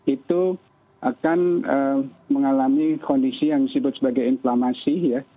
itu akan mengalami kondisi yang disebut sebagai inflamasi ya